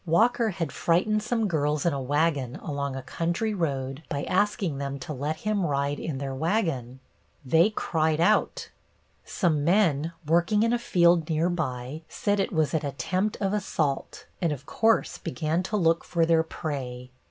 Walker had frightened some girls in a wagon along a country road by asking them to let him ride in their wagon. They cried out; some men working in a field near by said it was at attempt of assault, and of course began to look for their prey.